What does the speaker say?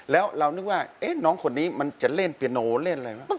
แล้วเรานึกว่าน้องคนนี้มันจะเล่นเปียโนเล่นอะไรวะ